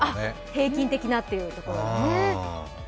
平均的なというところで。